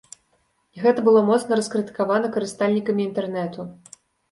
Гэта было моцна раскрытыкавана карыстальнікамі інтэрнэту.